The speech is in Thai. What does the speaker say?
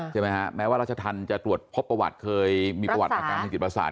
ใช่ไหมฮะแม้ว่าราชธรรมจะตรวจพบประวัติเคยมีประวัติอาการทางจิตประสาท